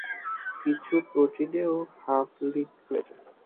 কিছু প্রোটিনেও হফ লিংক রয়েছে।